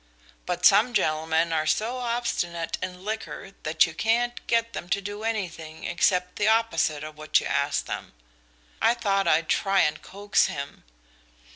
But some gentlemen are so obstinate in liquor that you can't get them to do anything except the opposite of what you ask them. I thought I'd try and coax him.